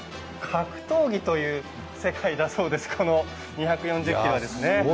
格闘技という世界だそうです、２４０キロ。